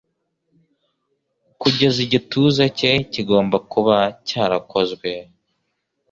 Kugeza igituza cye kigomba kuba cyarakozwe